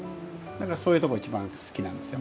そういうところが一番好きなんですよ。